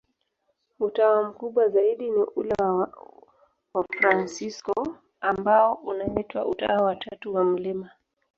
Utawa mkubwa zaidi ni ule wa Wafransisko, ambao unaitwa Utawa wa Tatu wa Mt.